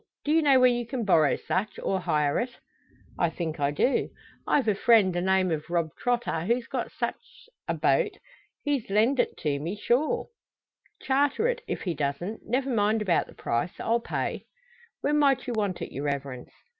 Do you know where you can borrow such, or hire it?" "I think I do. I've a friend, the name o' Rob Trotter, who's got just sich a boat. He'd lend it me, sure." "Charter it, if he doesn't. Never mind about the price. I'll pay." "When might you want it, your Reverence?"